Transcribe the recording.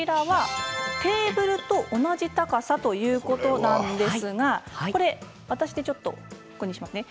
テーブルと同じ高さということなんですが私でちょっと確認しますね。